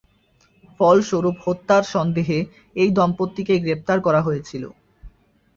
ফলস্বরূপ হত্যার সন্দেহে এই দম্পতিকে গ্রেপ্তার করা হয়েছিল।